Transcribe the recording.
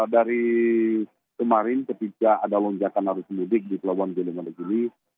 dari kemarin ketika ada lonjakan arus mudik di pelabuhan jabodebek ini